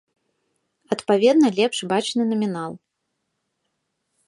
Адпаведна, лепш бачны намінал.